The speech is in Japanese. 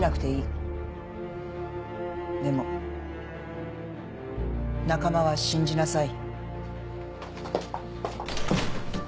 でも仲間は信じなさい。